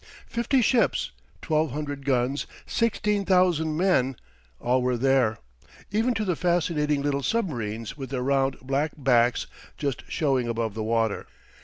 Fifty ships, 1,200 guns, 16,000 men: all were there, even to the fascinating little submarines with their round black backs just showing above the water.